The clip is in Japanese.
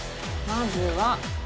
まずは。